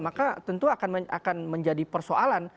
maka tentu akan menjadi persoalan